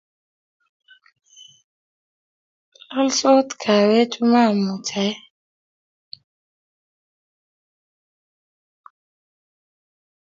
lolsot kahawechu mamuch aee